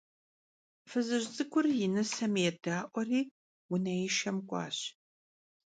Fızıj ts'ık'ur yi nısem yêda'ueri vuneişşem k'uaş.